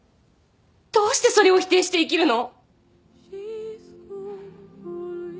どうしてそれを否定して生きるの？